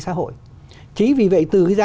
xã hội chỉ vì vậy từ cái giá